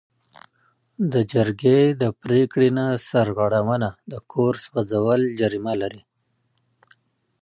د جرګې د پریکړې نه سرغړونه د کور سوځول جریمه لري.